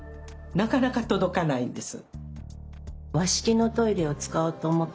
なかなか届かないんです。